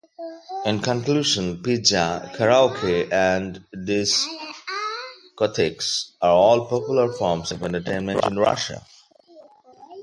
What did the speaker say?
In conclusion, pizza, karaoke, and discotheques are all popular forms of entertainment in Russia.